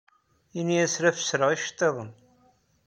Ini-as la fessreɣ iceḍḍiḍen.